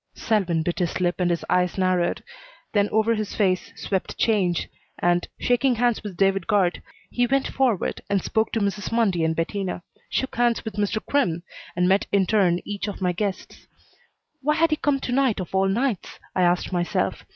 Selwyn bit his lip and his eyes narrowed, then over his face swept change, and, shaking hands with David Guard, he went forward and spoke to Mrs. Mundy and Bettina; shook hands with Mr. Crimm, and met in turn each of my guests. Why had he come to night of all nights? I asked myself.